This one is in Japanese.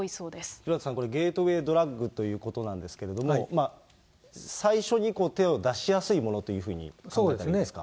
廣畑さん、これ、ゲートウェイドラッグということなんですけれども、最初に手を出しやすいものというふうに考えたらいいんですか。